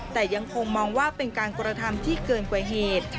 แต่ยังคงมองว่าเป็นการกระทำที่เกินกว่าเหตุ